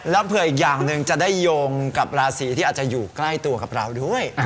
แล้วเผื่ออีกอย่างหนึ่งจะได้โยงกับราศีที่อาจจะอยู่ใกล้ตัวกับเราด้วย